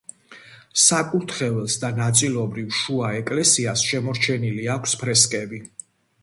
საკურთხეველს და ნაწილობრივ შუა ეკლესიას შემორჩენილი აქვს ფრესკები.